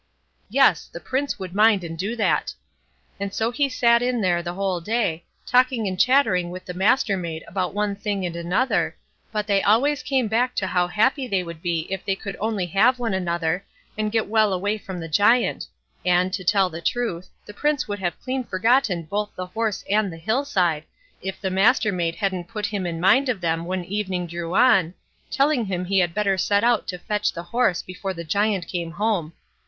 Yes! the Prince would mind and do that; and so he sat in there the whole day, talking and chattering with the Mastermaid about one thing and another, but they always came back to how happy they would be if they could only have one another, and get well away from the Giant; and, to tell the truth, the Prince would have clean forgotten both the horse and the hill side, if the Mastermaid hadn't put him in mind of them when evening drew on, telling him he had better set out to fetch the horse before the Giant came home.